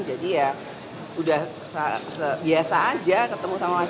jadi ya sudah biasa saja ketemu sama mas gibran